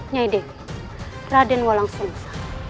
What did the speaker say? nyai dek raden wolang sungsang